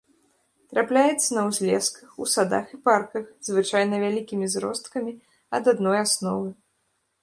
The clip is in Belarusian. Трапляецца на ўзлесках, у садах і парках, звычайна вялікімі зросткамі ад адной асновы.